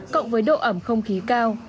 cộng với độ ẩm không khí cao